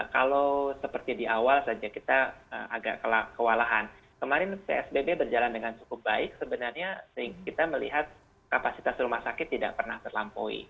kalau seperti di awal saja kita agak kewalahan kemarin psbb berjalan dengan cukup baik sebenarnya kita melihat kapasitas rumah sakit tidak pernah terlampaui